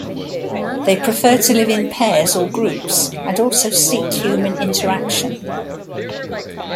They prefer to live in pairs or groups and also seek human interaction.